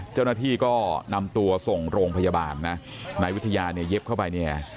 เจ้าหน้าที่ก็นำตัวส่งโรงพยาบาลนะนายวิทยาเนี่ยเย็บเข้าไปเนี่ย